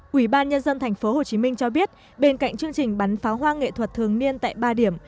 quỹ ban nhân dân tp hcm cho biết bên cạnh chương trình bắn pháo hoa nghệ thuật thường niên tại ba điểm